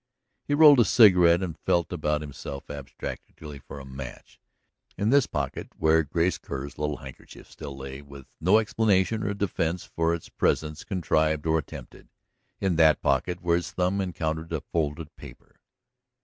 He rolled a cigarette and felt about himself abstractedly for a match, in this pocket, where Grace Kerr's little handkerchief still lay, with no explanation or defense for its presence contrived or attempted; in that pocket, where his thumb encountered a folded paper.